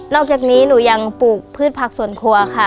อกจากนี้หนูยังปลูกพืชผักส่วนครัวค่ะ